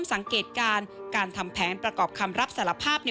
สงสารสายตาของน้องมากมั้ยคะ